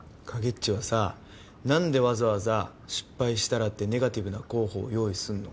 ちはさなんでわざわざ「失敗したら」ってネガティブな候補を用意するの？